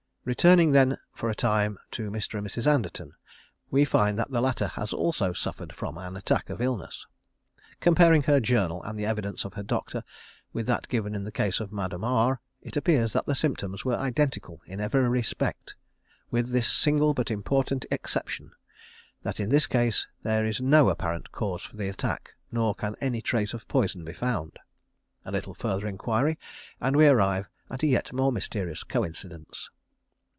Returning then for a time to Mr. and Mrs. Anderton, we find that the latter has also suffered from an attack of illness. Comparing her journal (III.) and the evidence of her doctor, with that given in the case of Madame R, it appears that the symptoms were identical in every respect, with this single but important exception, that in this case there is no apparent cause for the attack, nor can any trace of poison be found. A little further inquiry, and we arrive at a yet more mysterious coincidence.